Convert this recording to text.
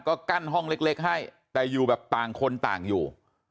ก็กั้นห้องเล็กให้แต่อยู่แบบต่างคนต่างอยู่